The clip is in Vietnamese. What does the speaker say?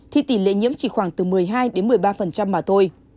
thì tỷ lệ nhiễm chỉ khoảng từ một mươi hai một mươi ba mà thôi